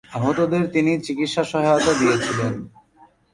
আহতদের তিনি চিকিৎসা সহায়তা দিয়েছিলেন।